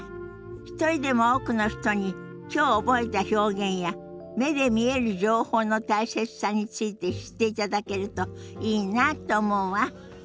一人でも多くの人にきょう覚えた表現や目で見える情報の大切さについて知っていただけるといいなって思うわ。